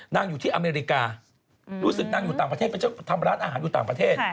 อยู่ที่อเมริการู้สึกนางอยู่ต่างประเทศทำร้านอาหารอยู่ต่างประเทศ